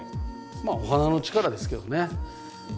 まあお花の力ですけどねすべて。